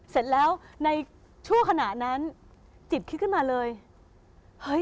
เสร็จแล้วในชั่วขณะนั้นจิตคิดขึ้นมาเลยเฮ้ย